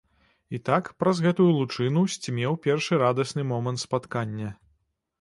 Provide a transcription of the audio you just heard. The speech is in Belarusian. І так праз гэтую лучыну сцьмеў першы радасны момант спаткання.